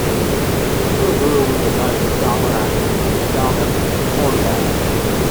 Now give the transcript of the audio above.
Killigrew was a knight of Arwenack in Falmouth, Cornwall.